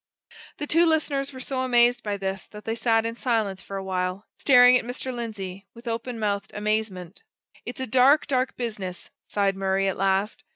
The two listeners were so amazed by this that they sat in silence for a while, staring at Mr. Lindsey with open mouthed amazement. "It's a dark, dark business!" sighed Murray at last.